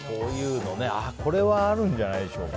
これはあるんじゃないでしょうか。